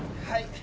はい！